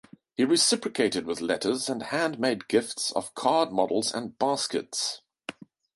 He reciprocated with letters and hand made gifts of card models and baskets.